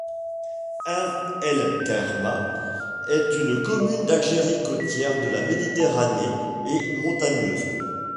Aïn El Kerma est une commune d'Algérie côtière de la Méditerranée et montagneuse.